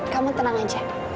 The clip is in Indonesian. kamu tenang aja